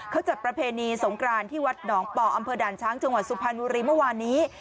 เขาจัดประเพณีสงกรานที่วัดหนองป่ออำเภอด่านช้างจังหวัดสุพรรณบุรีเมื่อวานนี้